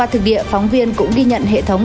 trường viện phóng viên cũng ghi nhận hệ thống